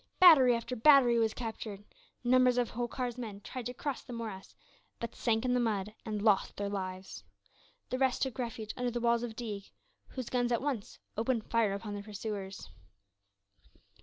Battery after battery was captured. Numbers of Holkar's men tried to cross the morass, but sank in the mud and lost their lives. The rest took refuge under the walls of Deeg, whose guns at once opened fire upon their pursuers.